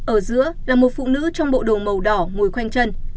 ở giữa là một phụ nữ trong bộ đồ màu đỏ ngồi quanh chân